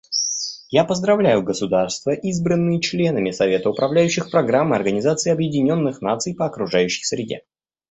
Я поздравляю государства, избранные членами Совета управляющих Программы Организации Объединенных Наций по окружающей среде.